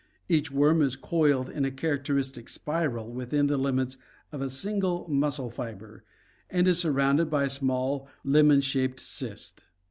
Each worm is coiled in a char acteristic spiral within the limits of a single muscle fiber, and is surrounded by a small, limy, lemon shaped cyst.